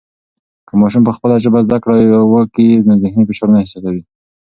که ماشوم په خپله ژبه زده کړه و کي نو ذهني فشار نه احساسوي.